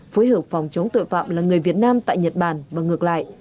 phối hợp phòng chống tội phạm là người việt nam tại nhật bản và ngược lại